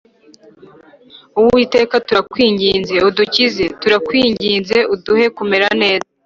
Uwiteka turakwinginze udukize, turakwinginze uduhe kumera neza